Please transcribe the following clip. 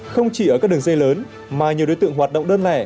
không chỉ ở các đường dây lớn mà nhiều đối tượng hoạt động đơn lẻ